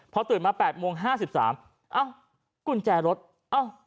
พอตื่นมา๘โมงห้าสิบสามเอ้ากุญแจรถเอ้า